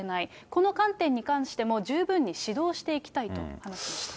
この観点に関しても十分に指導していきたいと話していました。